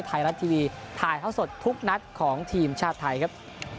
ไทยรัฐทีวีถ่ายเท่าสดทุกนัดของทีมชาติไทยครับ